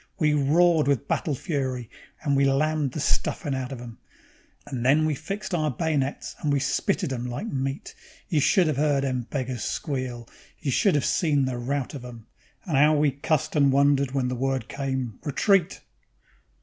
We roared with battle fury, and we lammed the stuffin' out of 'em, And then we fixed our bay'nets and we spitted 'em like meat. You should 'ave 'eard the beggars squeal; you should 'ave seen the rout of 'em, And 'ow we cussed and wondered when the word came: Retreat!